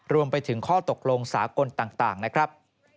รวมไปถึงข้อตกลงสากลต่างนะครับ